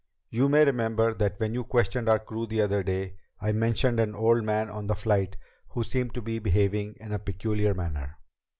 "You may remember that when you questioned our crew the other day I mentioned an old man on the flight who seemed to be behaving in a peculiar manner?